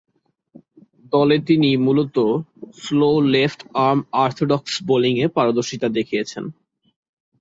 দলে তিনি মূলতঃ স্লো লেফট-আর্ম অর্থোডক্স বোলিংয়ে পারদর্শীতা দেখিয়েছেন।